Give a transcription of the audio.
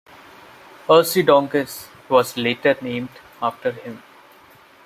"Ursidongus" was later named after him.